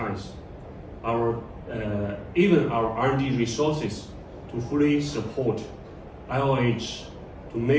bahkan sumber daya kita untuk mendukung ioh sepenuhnya